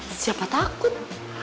eh siapa takut